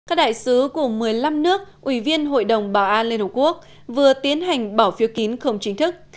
các đại sứ của một mươi năm nước ủy viên hội đồng bảo an liên hợp quốc vừa tiến hành bỏ phiếu kín không chính thức